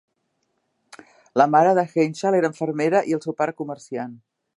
La mare de Henshall era infermera, i el seu pare comerciant.